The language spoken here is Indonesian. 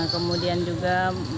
kemudian juga waktunya